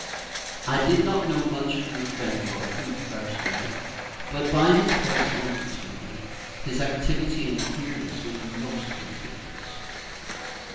I did not know much of your friend Lord Hood, personally; but, by his correspondence with me, his activity and clearness was most conspicuous.